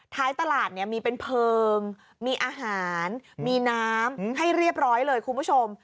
ท้ายตลาดเนี่ยมีเป็นเพลิงมีอาหารมีน้ำให้เรียบร้อยเลยคุณผู้ชม